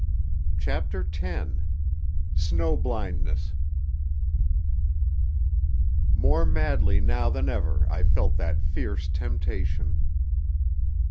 CHAPTER X SNOW BLINDNESS More madly now than ever I felt that fierce temptation.